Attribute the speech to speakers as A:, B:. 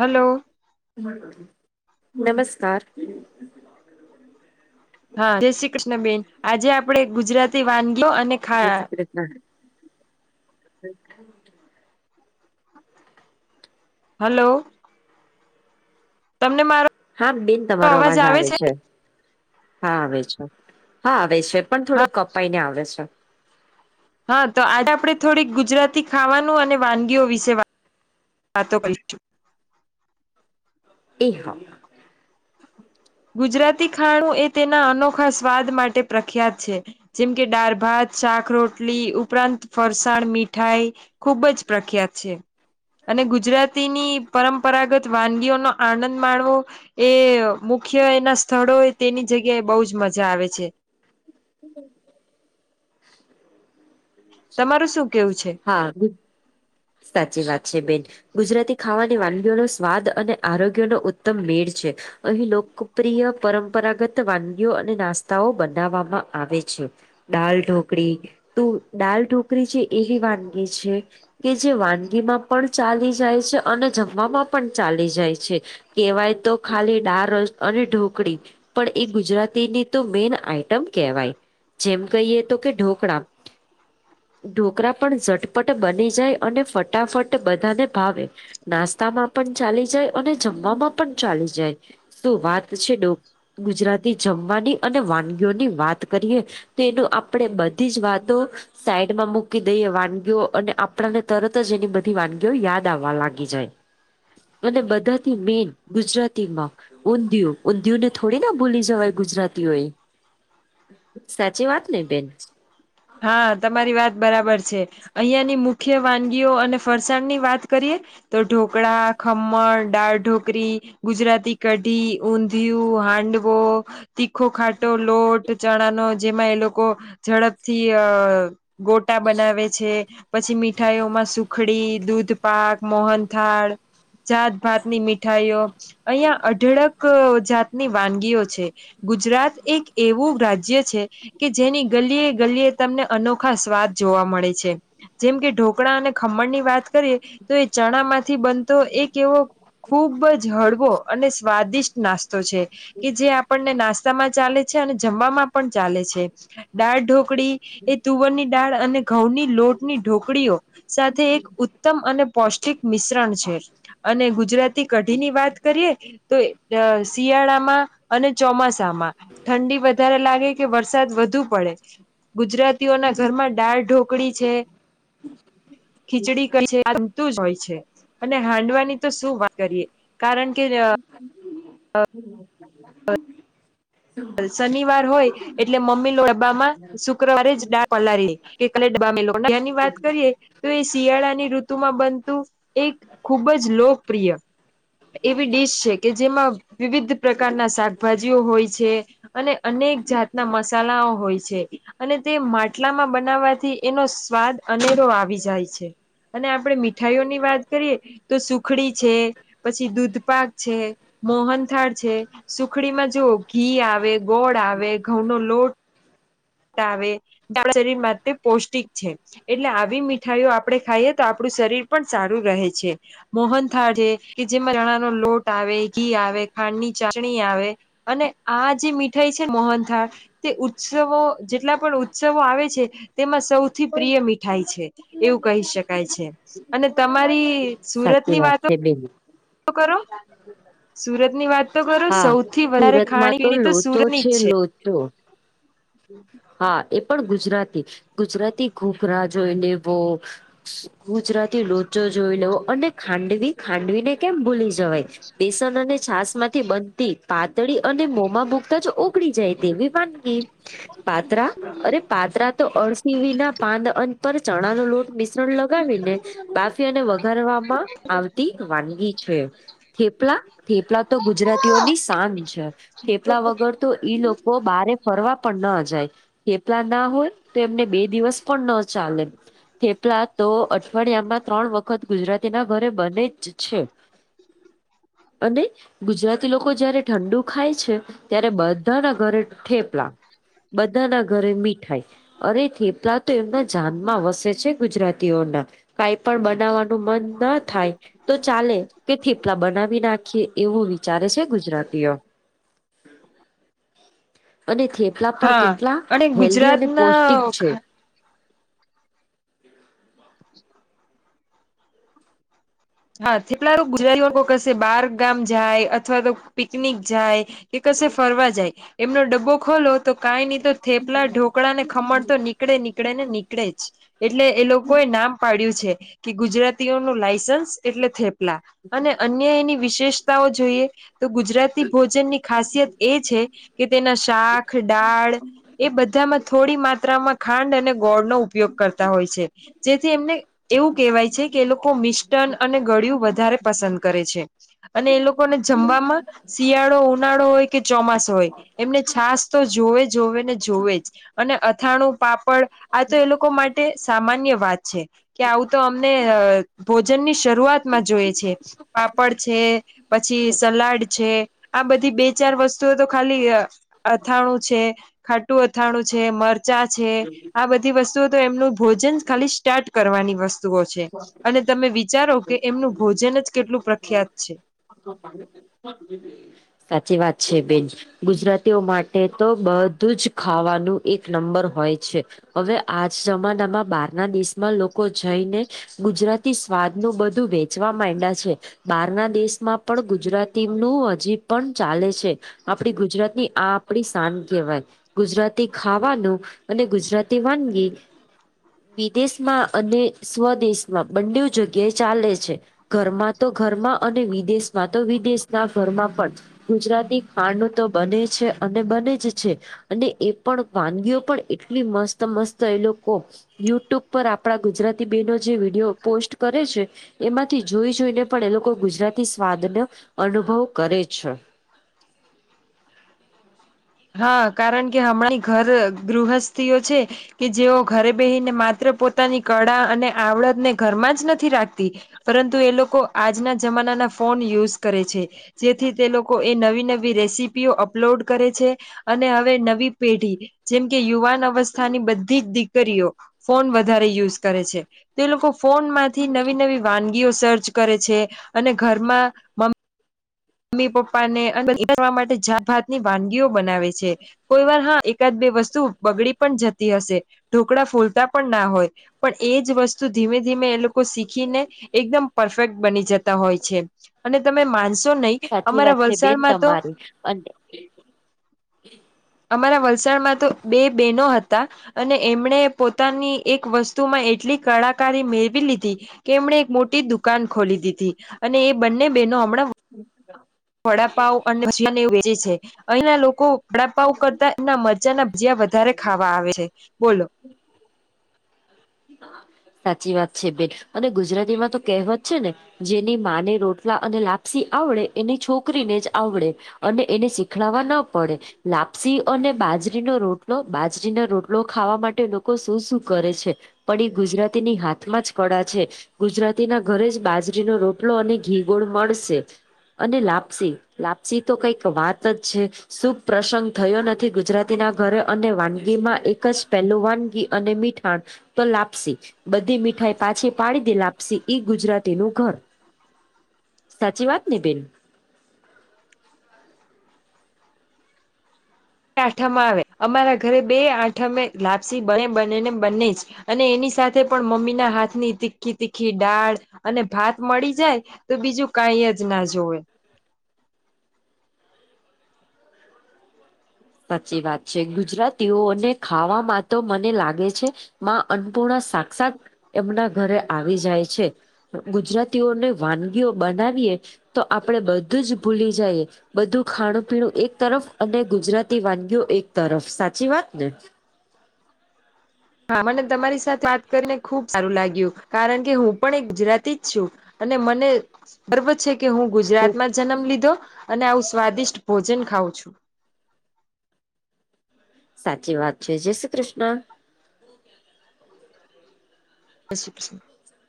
A: Hello
B: [inaudible] નમસ્કાર
A: હા જય શ્રી કૃષ્ણ બેેન આજે આપડે ગુજરાતી વાનગીઓ અને ખા
B: ના
A: હલો તમને મારો
B: હા બિન તમારો અવાજ આવે છે હા આવે છે હા આવે છે. પણ થોડો
A: હા
B: કપાઈ ને આવે છે.
A: હા તો આજે આપણે થોડીક ગુજરાતી ખાવાનું અને વાનગીઓ વિશે વાતો કરીશ.
B: એ હ
A: ગુજરાતી ખાણું એ તેના અનોખા સ્વાદ માટે પ્રખ્યાત છે. જેમ કે દાળ ભાત શાક રોટલી ઉપરાંત ફરસાણ મીઠાઈ ખુબ જ પ્રખ્યાત છે. અને ગુજરાતીની પરંપરાગત વાનગીઓનોો આનંદ માણવો એ મુખ્ય એના સ્થળો તેની જગ્યાએ બહુ જ મજા આવે છે.
B: હમ
A: તમારું શું કેવું છે.
B: હા સાચી વાત છે બેન ગુજરાતી ખાવાની વાનગીઓનો સ્વાદ અને આરોગ્ય નો ઉત્તમ મેળ છે. અહીં લોકપ્રિય પરંપરાગત વાનગીઓ અને નાસ્તાઓ બનાવવામાં આવે છે. દાલ ઢોકરીી તો દાલ ઢોકી છે એવી વાનગી છે. કે જે વાનગીમાં પણ ચાલી જાય છે અને જમવામાં પણ ચાલી જાય છે. કહેવાય તો ખાલી ડાળસ અને ઢોકળી પણ એ ગુજરાતીની તો મેન આઈટમ કહેવાય. જેમ કહીએ તો કે ઢોકળા ઢોકળા પણ ઝટપટ બને જાય અને ફટાફટ બધાને ભાવે નાસ્તામાં પણ ચાલી જાય. અને જમવામાં પણ ચાલી જાય શું વાત છે, ડો ગુજરાતી જમવાની અને વાનગીઓની વાત કરીએ. તેનું આપણે બધી જ વાતો સાઈડમાં મૂકી દઈએ વાનગીઓ અને આ પણને તરત જ એની બધી વાનગીઓ યાદ આવવા લાગી જાય. અને બધાથી મેન ગુજરાતીમાં ઊંધિયું ઊંધિયુ ને થોડી ના ભૂલી જવાય ગુજરાતીઓ એ સાચી વાત ને બેન?
A: હા તમારી વાત બરાબર છે. અહિયાંની મુખ્ય વાનગીઓ અને ફરસાણની વાત કરીએ. તો ઢોકળા, ખમ્મણ, ડાળ ઢોકળી, ગુજરાતી કઢી ઊંધિયું, હાંડવો. તીખો ખાટો લોટ ચણાનો જેમાં એ લોકો ઝડપથી અ ગોટા બનાવે છે. પછી મીઠાઈઓમાં સુખડી, દૂધપાક, મોહનથાળ જાતભાતની મીઠાઈઓ અહીંયા અઢળક જાતની વાનગીઓ છે. ગુજરાત એક એવું રાજ્ય છે, કે જેની ગલીએ ગલીએ તમને અનોખા સ્વાદ જોવા મળે છે. જેમ કે ઢોકળા અને ખમણની વાત કરીએ તો એ ચણામાંથી બનતો એક એવો ખુબ જ હળવો અને સ્વાદિષ્ટ નાસ્તો છે. કે જે આપણને નાસ્તામાં ચાલે છે, અને જમવામાં પણ ચાલે છે, દાળ ઢો કળી એ તુવરની ડાળ અને ઘઉંની લોટની ઢોકળીઓ સાથે એક ઉત્તમ અને પૌષ્ટિક મિશ્રણ છે, અને ગુજરાત તી કઢી ની વાત કરીએ તો અ શિયાળામાં અને ચોમાસામાં ઠંડી વધારે લાગે કે વરસાદ વધુ પડે ગુજરાતીઓના ઘરમાં દાળ ઢોકળી છે, ખીચડી [unintelligible] છે. બધું જ હોય છે, અને હાંડવાની તો શું વાત કરીએ કારણ કે અ
B: [inaudible]
A: શનિવાર હોય એટલે મમ્મી લો ડબ્બામાં શુક્રવારે જ ડાળ પલારીએ કે કાલે [unintelligible] વાત કરીએ. તો એ શિયાળાની ઋતુમાં બનતું એક ખૂબ જ લોકપ્રિય એવી ડીશ છે, કે જેમાં વિવિધ પ્રકારના શાકભાજીઓ હોય છે. અને અનેક જાતના મસાલાઓ હોય છે. અને તે માટલામાં બનાવવાથી એનો સ્વાદ અનેરો આવી જાય છે. અને આપણે મીઠાઈઓની વાત કરીએ તો સુખડી છે. પછી દૂધપાક છે, મોહનથાળ છે, સુખડીમાં જુઓ ઘી આ વે ગોળ આવે ઘઉંનો લો ટ આવે આપણા શરીર માટે પૌષ્ટિક છે. એટલે આવી મીઠાઈઓ આપણે ખાઈએ તો આપણું શરીર પણ સારું રહે છે. મોહન થાળ છે, કે જેમાં ચણાનો લોટ આવે ઘી આવે ખાંડની ચાસણી આવે અને આ જે મીઠાઈ છે, મોહનથાળ તે ઉત્સવો જેટલા પણ ઉત્સવો આવે છે, તેમાં સૌથી પ્રિય મીઠાઈ છે. એવું કહી શકાય છે, અને તમારી સુરત
B: સાચી
A: ની
B: વાત
A: વાતો
B: છે બેન
A: કરો સુરતની વાત તો કરો
B: હા
A: સૌથી વધારે
B: સુરતમાં
A: ખાણી પીણી તો
B: લોચો
A: સુરની જ છે.
B: [inaudible]
A: હમ [unintelligible] [inaudible]
B: હા એ પણ ગુજરાતી ગુજરાતી ધૂઘરા જોઈને વો ગુજરાતી લોચો જોઈ લેવ અને ખાંડવી ખાંડવીને કેમ ભૂલી જવાય બેસન અને છાસ માંથી બનતી પાતળી અને મોમા મૂકતા જ ઓગળી જાય તેવી વાનગી. પાત્રા અરે પાત્રા તો અળસીવી ના પાંદ અંત પર ચણા નો લોટ મિશ્રણ લગાવી ને. બાફીને વઘારવામાં આવતી વાનગી છે. થેપલા, થેપલા તો ગુજરાતીઓની શાન છે, થેપલા વગર તો ઈ લોકો બારે ફરવા પણ ન હતા. થેપલા ના હોય, તો એમને બે દિવસ પણ ન ચાલે. થેપલા તો અઠવાડિયામાં ત્રણ વખત ગુજરાતી ના ઘરે બને જ છે. અને. ગુજરાતી લોકો જયારે ઠંડુ ખાય છે, ત્યારે બધાના ઘરે ઠેપલા. બધા ના ઘરે મીઠાઈ. અરે, થેપલા તો એમના જાનમાં વસે છે! ગુજરાતીઓના. કઈ પણ બનાવાનું મન ના થાય. તો ચાલે કે થેપલા બનાવી નાખીએ, એવું વિચારે છે ગુજરાતીઓ. અને થેપલા પણ
A: હા
B: કેટલા
A: અને
B: હેલ્ધી અને
A: ગુજરાતના
B: પૌષ્ટિક છે.
A: હા, થેટલા ગુજરાતી કશે બહિહાર ગામ જાય, અથવા તો પિકનિક જાય. કશે ફરવા જાય, એમનો ડબ્બો ખોલો, તો કાંઈ નહીં તો થેપલા, ઢોકળ ને ખમણ તો. નીકડે, નીકળે ને, નીકળે જ. એટલે એ લોકો એ નામ પાડ્યું છે કે, ગુજરાતીઓનું લાયસન્સ એટલે થેપલા અને અન્ય એની વિશેષતાઓ જોઈએ તો, ગુજરાતી. ભોજન ની ખાસિયત એ છે કે, તેના શાક, દાળ. એ બધામાં થોડી માત્રામાં ખાંડ અને ગોળનો ઉપયોગ કરતા હોય છે, જેથી એમને એવું કહેવાય છે કે એ લોકો મિસ્ટન અને ગળિયું વધારે પસંદ કરે છે, અને એ લોકોને જમવામાં શિયાળો, ઉનાળો હોય કે ચોમાસ હોય. એમને છાશ તો જોવે, જોવે ને જોવે જ, અને અથાણું, પાપડ આ તો એ લોકો માટે સામાન્ય વાત છે. કે આવું તો અમને ભોજન ની શરૂઆતમાં જોએ છે. પાપડ છે, પછી સલાડ છે, આ બધી બે ચાર વસ્તુઓ તો ખાલી અથાણું છે, ખાટું અથાણું છે, મરચાં છે, આ બધા વસ્તુ, એમનું ભોજન ખાલી સ્ટાર્ટ કરવાની વસ્તુઓ છે, અને તમે ધારો કે, એમનું ભોજન જ કેટલું પ્રખ્યાત છે.
B: સાચી વાત છે બેન. ગુજરાતીઓ માટે તો બધું જ ખાવાનું એક નંબર હોય છે. હવે આજના જમાનામાં બાર ના દેશમાં લોકો જઈને. ગુજરાતી સ્વાદ નું બધું વેચવા માંડયા છે. બહારના દેશમાં પણ ગુજરાતી નું હજી પણ ચાલે છે. આપડી ગુજરાતની આ આપડી શાન કહેવાય. ગુજરાતી ખાવાનું અને ગુજરાતી વાનગી. વિદેશમાં અને. સ્વદેશમાં બંને જગ્યાએ ચાલે છે, ઘરમાં તો ઘરમાં. અને વિદેશમાં તો, વિદેશના ઘરમાં પણ. ગુજરાતી ખાંડ તો બને છે, અને બને જ છે. અને એ પણ વાનગીઓ પણ એટલી મસ્ત મસ્ત એ લોકો યુટ્યુબ પર આપડા ગુજરાતી બેનો જે વિડીયો પોસ્ટ કરે છે. એમાંથી જોઈ જોઈને પણ, એ લોકો ગુજરાતી સ્વાદનો અનુભવ કરે છે.
A: હા, કારણ કે હમણાં ઘર ગૃહસ્થથીઓ છે. કે જેઓ ઘરે બેહીને માત્ર પોતાની કળા અને આવડતને ઘરમાં જ નથી રાખતી. પરંતુ એ લોકો આજના જમાનાના ફોન યુઝ કરે છે. જેથી તે લોકો એ નવી-નવી રેસીપીઓ અપલોડ કરે છે. અને હવે નવી પેઢી જેમ કે યુવાન અવસ્થાની બધી જ દીકરીઓ ફોન વધારે યુઝ કરે છે તો એ લોકો ફોન માંથી નવી નવી વાનગીઓ સર્ચ કરે છે અને ઘરમાં મમ્મી પપ્પા ને અને [unintelligible] કરવા માટે જાત ભાત ની વાનગીઓ બનાવે છે. કોઈ વાર હા એકાદ બે વસ્તુ બગડી પણ જતી હશે ઢોકળા ફૂલતા પણ ના હોય. પણ એજ વસ્તુ ધીમે ધીમે એ લોકો શીખીને એકદમ પરફેક્ટ બની જતા હોય છે. અને તમે માનશો નહી
B: સાચી
A: અમારા
B: વાત છે બેન
A: વલસાડમાં તો
B: [unintelligible]
A: અમારા વલસાડમાં તો બે બેનો હતા અને એમણે પોતાની એક વસ્તુમાં એટલી કળાકારી મેળવી લીધી કે એમણે એક મોટી દુકાન ખોલી દીધી અને એ બંને બહેનો હમણાં
B: [inaudible]
A: વડાપાવ અને ભજીયા ને એવું વેચે છે અહીંના લોકો વડાપાવ કરતા એમના મરચા ના ભજીયા વધારે ખાવા આવે છે બોલો
B: સાચી વાત છે બેન અને ગુજરાતીમાં તો કહેવત છે ને જેની માને રોટલા અને લાપસી આવડે એની છોકરીને જ આવડે. અને એને શીખડવા ન પડે લાપસી અને બાજરીનો રોટલો બાજરીનો રોટલો ખાવા માટે લોકો શું શું કરે છે. પડી ગુજરાતીની હાથમાં જ કળા છે. ગુજરાતીના ઘરે જ બાજરીનો રોટલો અને ઘી ગોળ મળશે. અને લાપસી લાપસી તો કઈક વાત જ છે. શુભ પ્રસંગ થયો નથી ગુજરાતી ના ઘરે અને વાનગી માં એક જ પહેલું વાનગી અને મીઠાણ તો લાપસી. બધી મીઠાઈ પાછી પાડી દે લાપસી ઈ ગુજરાતીનું ઘર. સાચી વાત ને બેન [inaudible]
A: આઠમ આવે અમારા ઘરે બે આઠમે લાપસી બને બને ને બને જ. અને એની સાથે પણ મમ્મીના હાથની તીખી તીખી ડાળ અને ભાત મળી જાય તો બીજું કઈ જ ના જોવે.
B: સાચી વાત છે ગુજરાતીઓને ખાવામાં તો મને લાગે છે. માં અન્નપૂર્ણા સાક્ષાત એમના ઘરે આવી જાય છે. ગુજરાતીઓને વાનગીઓ બનાવીએ તો આપણે બધું જ ભૂલી જઈએ બધું ખાણું પીણું એક તરફ અને ગુજરાતી વાનગી એક તરફ સાચી વાત ને
A: હા મને તમારી સાથે વાત કરીને ખુબ સારું લાગ્યું કારણ કે હું પણ એક ગુજરાતી જ છું. અને મને ગર્વ છે કે હું ગુજરાતમાં જન્મ લીધો અને આવું સ્વાદિષ્ટ ભોજન ખાઉં છું.
B: સાચી વાત છે જય શ્રી કૃષ્ણ.
A: [unintelligible]